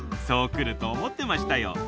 そうくると思ってましたよ。